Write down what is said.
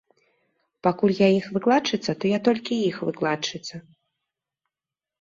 Пакуль я іх выкладчыца, то я толькі іх выкладчыца.